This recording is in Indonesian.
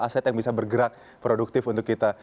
aset yang bisa bergerak produktif untuk kita